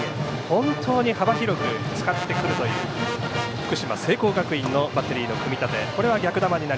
本当に幅広く使ってくるという福島の聖光学院のバッテリーの組み立て。